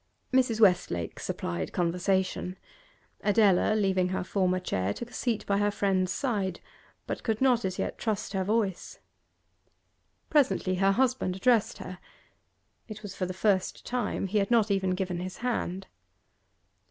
Mrs. Westlake supplied conversation. Adela, leaving her former chair, took a seat by her friend's side, but could not as yet trust her voice. Presently her husband addressed her; it was for the first time; he had not even given his hand.